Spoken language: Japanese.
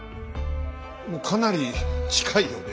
かなり近いよね。